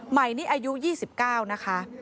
ใหม่นี่อายุ๒๙นะคะ